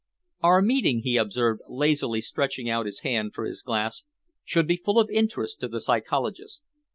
"Our meeting," he observed, lazily stretching out his hand for his glass, "should be full of interest to the psychologist.